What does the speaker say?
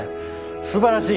すばらしい！